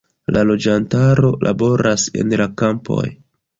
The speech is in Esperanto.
La loĝantaro laboras en la kampoj.